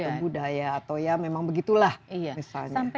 atau budaya atau ya memang begitulah misalnya